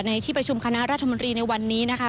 ในที่ประชุมคณะรัฐมนตรีในวันนี้นะคะ